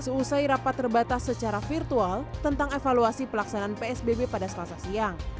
seusai rapat terbatas secara virtual tentang evaluasi pelaksanaan psbb pada selasa siang